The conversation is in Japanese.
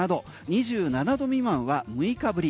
２７℃未満は６日ぶり。